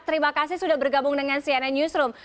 terima kasih sudah bergabung dengan cnn newsroom